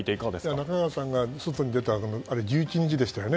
中川さんが外に出たのは１１日でしたよね。